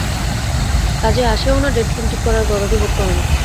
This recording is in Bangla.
কাজেই আসেও না, ডেড ফোন ঠিক করার গরজও বোধ করে না।